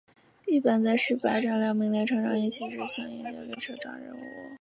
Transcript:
一般在始发站两名列车长一起执行迎接旅客登车任务。